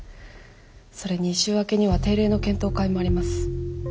それに週明けには定例の検討会もあります。